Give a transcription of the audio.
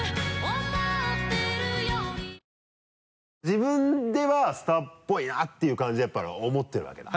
自分ではスターっぽいなていう感じでやっぱり思ってるわけだ。